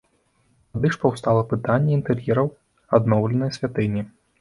Тады ж паўстала пытанне інтэр'ераў адноўленай святыні.